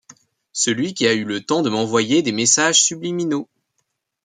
Celui qui a eu le temps de m'envoyer des messages subliminaux.